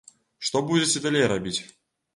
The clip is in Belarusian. Што будзеце далей рабіць?